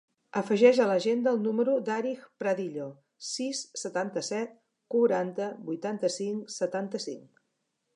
Afegeix a l'agenda el número de l'Arij Pradillo: sis, setanta-set, quaranta, vuitanta-cinc, setanta-cinc.